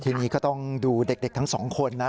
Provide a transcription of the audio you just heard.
ทีนี้ก็ต้องดูเด็กทั้งสองคนนะ